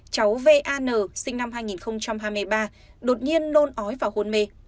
chú v a n sinh năm hai nghìn hai mươi ba đột nhiên nôn ói và hôn mê